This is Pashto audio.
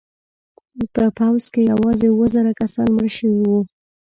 په پوځ کې یوازې اوه زره کسان مړه شوي وو.